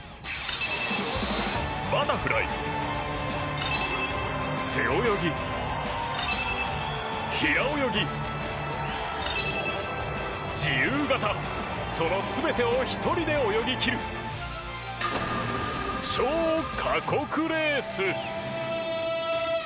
バタフライ、背泳ぎ平泳ぎ、自由形その全てを１人で泳ぎ切る超過酷レース。